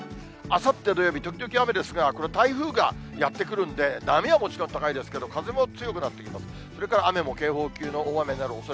あさって土曜日、時々雨ですが、これ、台風がやって来るんで、波はもちろん高いですけど、風も強くなってきます。